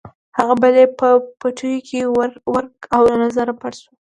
هغه بل یې په پټیو کې ورک او له نظره پټ شو.